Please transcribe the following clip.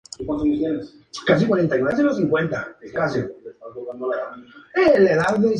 El programa era un claro ejemplo de multiculturalismo transmitiendo en Sci-Fi Channel.